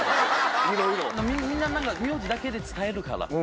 みんな名字だけで伝えるから。